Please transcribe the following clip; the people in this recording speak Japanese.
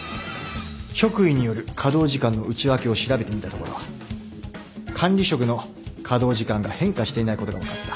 職位による稼働時間の内訳を調べてみたところ管理職の稼働時間が変化していないことが分かった。